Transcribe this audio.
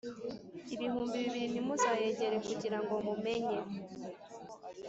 ibihumbi bibiri Ntimuzayegere kugira ngo mumenye